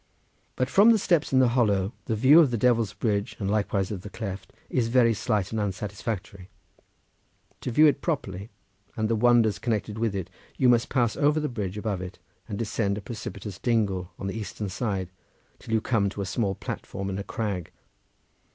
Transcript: But from the steps in the hollow the view of the Devil's Bridge, and likewise of the cleft, is very slight and unsatisfactory. To view it properly, and the wonders connected with it, you must pass over the bridge above it, and descend a precipitous dingle on the eastern side till you come to a small platform in a crag.